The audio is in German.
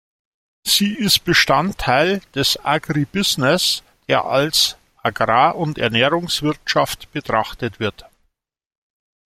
Sie ist Bestandteil des Agribusiness, der als "Agrar- und Ernährungswirtschaft" betrachtet wird.